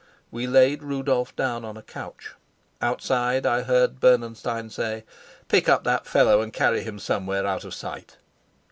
We laid Rudolf down on a couch. Outside I heard Bernenstein say, "Pick up that fellow and carry him somewhere out of sight."